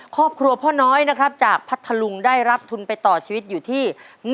ครอบครัวพ่อน้อยนะครับจากพัทธลุงได้รับทุนไปต่อชีวิตอยู่ที่